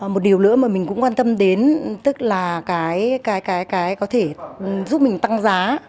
một điều nữa mà mình cũng quan tâm đến tức là cái có thể giúp mình tăng giá